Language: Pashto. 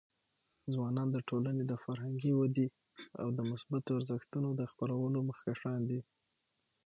ځوانان د ټولنې د فرهنګي ودي او د مثبتو ارزښتونو د خپرولو مخکښان دي.